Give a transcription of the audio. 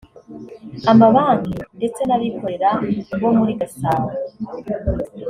amabanki ndetse n’abikorera bo muri Gasabo